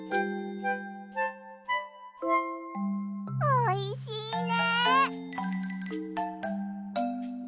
おいしいね。